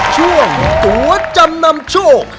ช่วงตัวจำนำโชค